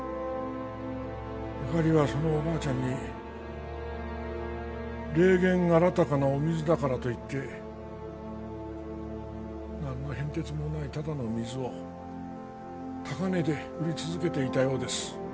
ゆかりはそのおばあちゃんに霊験あらたかな御水だからと言ってなんの変哲もないただの水を高値で売り続けていたようです。